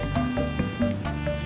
mau nganter paket